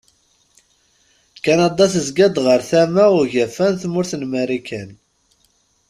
Kanada tezga-d ɣer tama ugafa n tmurt n Marikan.